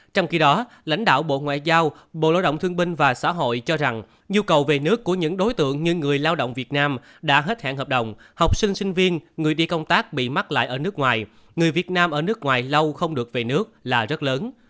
trong khi đó lãnh đạo bộ ngoại giao bộ lao động thương binh và xã hội cho rằng nhu cầu về nước của những đối tượng như người lao động việt nam đã hết hạn hợp đồng học sinh sinh viên người đi công tác bị mắc lại ở nước ngoài người việt nam ở nước ngoài lâu không được về nước là rất lớn